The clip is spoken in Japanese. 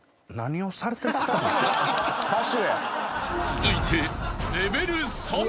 ［続いて］